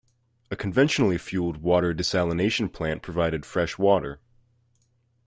A conventionally fueled water desalination plant provided fresh water.